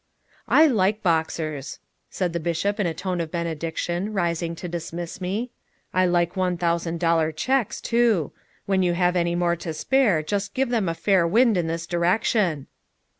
"I like boxers," said the bishop in the tone of a benediction, rising to dismiss me. "I like one thousand dollar checks, too. When you have any more to spare just give them a fair wind in this direction!"